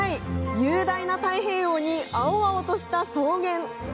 雄大な太平洋に青々とした草原。